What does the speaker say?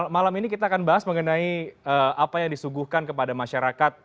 malam ini kita akan bahas mengenai apa yang disuguhkan kepada masyarakat